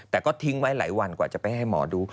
แต่ก็ทิ้งไว้หลายวันกว่าจะไปให้หมอดู